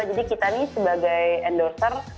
kita nih sebagai endorser